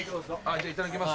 じゃあいただきます。